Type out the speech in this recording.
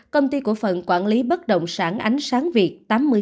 công ty cổ phần quản lý bất động sản ánh sáng việt tám mươi